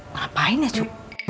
ngapain ya cu